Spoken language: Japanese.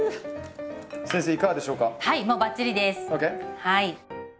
はい。